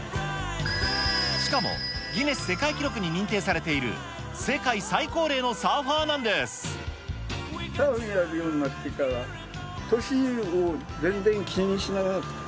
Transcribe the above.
しかもギネス世界記録に認定されている世界最高齢のサーファーなサーフィンやるようになってから、年を全然気にしなくなった。